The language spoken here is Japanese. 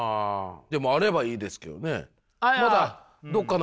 でもあればいいですけどね。